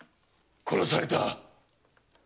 殺された！